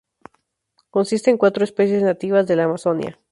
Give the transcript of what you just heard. Consiste en cuatro especies nativas de la Amazonia.